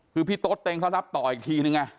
คือพี่โต๊ดเต็งเขารับต่ออีกทีนึงไง